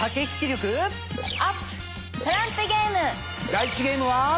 第１ゲームは。